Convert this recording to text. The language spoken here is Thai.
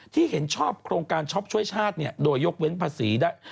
ที่เห็นชอบโครงการชอบช่วยชาติเนี่ยโดยยกเว้นภาษีได้